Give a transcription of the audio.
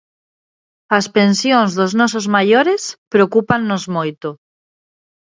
As pensións dos nosos maiores preocúpannos moito.